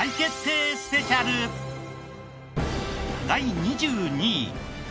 第２２位。